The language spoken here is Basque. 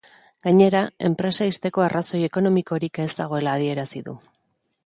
Gainera, enpresa ixteko arrazoi ekonomikorik ez dagoela adierazi du.